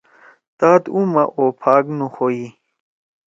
تات اُو ما اوپھاگ نخوئی۔